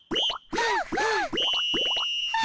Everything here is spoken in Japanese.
はあはあ。